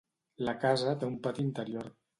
La casa té un pati interior.